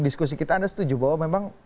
diskusi kita anda setuju bahwa memang